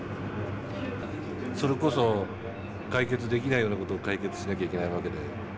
それこそ解決できないような事を解決しなきゃいけない訳で。